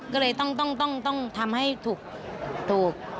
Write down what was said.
ก็เลยต้องทำให้ถูก